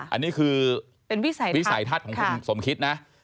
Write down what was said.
อันนี้คือวิสัยทัศน์คุณสมคิดนะ